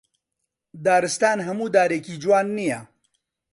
دارستان هەموو دارێکی جوان نییە